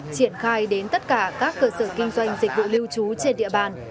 triển khai đến tất cả các cơ sở kinh doanh dịch vụ lưu trú trên địa bàn